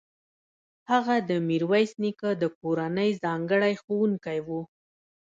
هغه د میرویس نیکه د کورنۍ ځانګړی ښوونکی و.